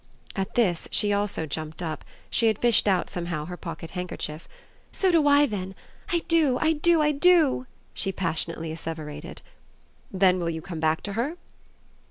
At this she also jumped up; she had fished out somehow her pocket handkerchief. "So do I then. I do, I do, I do!" she passionately asseverated. "Then will you come back to her?"